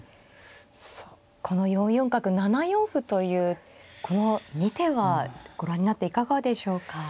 この４四角７四歩というこの２手はご覧になっていかがでしょうか。